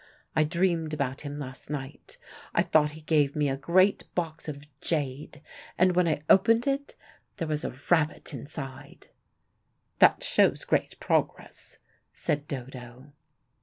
I dreamed about him last night. I thought he gave me a great box of jade and when I opened it, there was a rabbit inside " "That shows great progress," said Dodo.